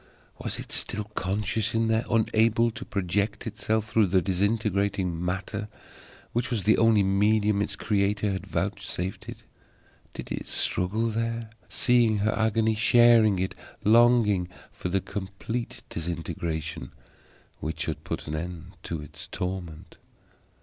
Was it still conscious in there, unable to project itself through the disintegrating matter which was the only medium its Creator had vouchsafed it? Did it struggle there, seeing her agony, sharing it, longing for the complete disintegration which should put an end to its torment?